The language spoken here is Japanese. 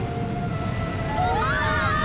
うわ。